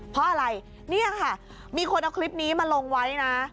เพราะอะไรเนี่ยค่ะมีคนเอาคลิปนี้มาลงไว้นะ